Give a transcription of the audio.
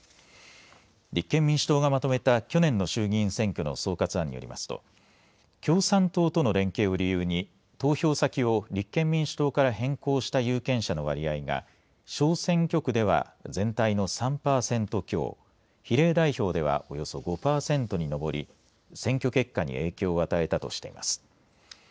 立憲民主党がまとめた去年の衆議院選挙の総括案によりますと共産党との連携を理由に投票先を立憲民主党から変更した有権者の割合が小選挙区では全体の３パーセント強比例代表ではおよそ５パーセントに上り選挙結果に影響を与えたとしています。